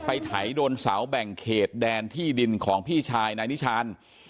ไถโดนเสาแบ่งเขตแดนที่ดินของพี่ชายนายนิชาน